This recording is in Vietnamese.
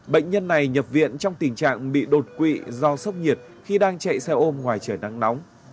bệnh nhân này nhập viện trong tình trạng bị đột quỵ do sốc nhiệt khi đang chạy xe ôm ngoài trời nắng nóng